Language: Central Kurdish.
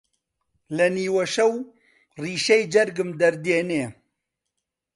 لە نیوە شەو ڕیشەی جەرگم دەردێنێ